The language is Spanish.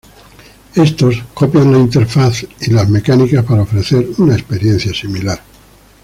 Estos, copian la interfaz y las mecánicas para ofrecer una experiencia similar.